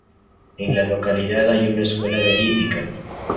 En la localidad hay una escuela de hípica.